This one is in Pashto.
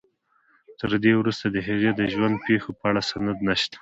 تر دې وروسته د هغې د ژوند پېښو په اړه سند نشته.